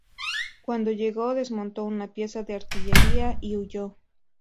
Cuando llegó, desmontó una pieza de artillería y huyó.